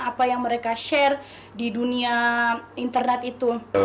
apa yang mereka share di dunia internet itu